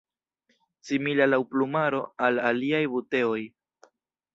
Simila laŭ plumaro al aliaj buteoj.